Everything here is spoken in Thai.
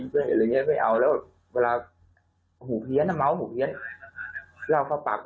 เรียกได้เรื่อยไม่เอาแล้วเวลาหูเพี้ยนก็เมาผูกเฮียแล้วฝากมา